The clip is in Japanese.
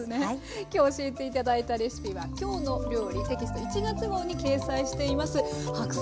今日教えて頂いたレシピは「きょうの料理」テキスト１月号に掲載しています。